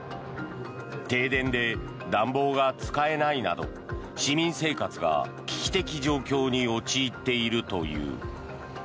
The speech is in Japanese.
停電で暖房が使えないなど市民生活が危機的状況に陥っているという。